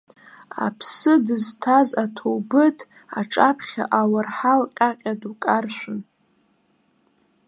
Аԥсы дызҭаз аҭоубыҭ аҿаԥхьа ауарҳал ҟьаҟьа ду каршәын.